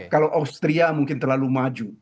kalau austria mungkin terlalu maju